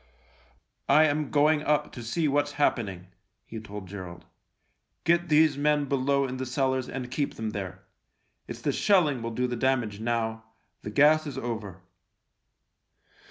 " I am going up to see what's happening," he told Gerald. " Get these men below in the cellars and keep them there. It's the THE LIEUTENANT 51 shelling will do the damage now — the gas is over."